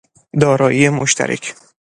دارایی مشترک